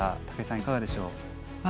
武井さん、いかがでしょう。